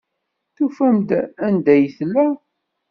Tufamt-d anda ay tella.